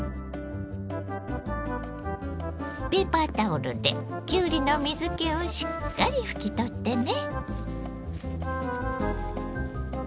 ペーパータオルできゅうりの水けをしっかり拭き取ってね。